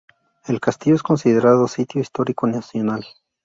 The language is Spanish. El castillo es considerado Sitio Histórico Nacional.